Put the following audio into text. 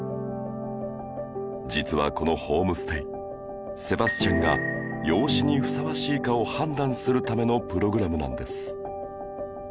実はこのホームステイセバスチャンが養子にふさわしいかを判断するためのプログラムなんです